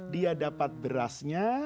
dia dapat berasnya